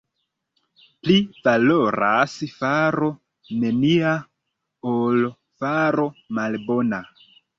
Pli valoras faro nenia, ol faro malbona.